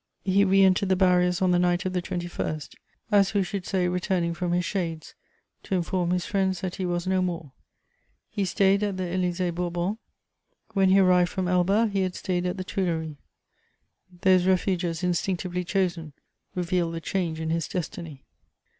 He re entered the barriers on the night of the 21st: as who should say returning from his shades to inform his friends that he was no more. He stayed at the Élysée Bourbon; when he arrived from Elba, he had stayed at the Tuileries: those refuges, instinctively chosen, revealed the change in his destiny.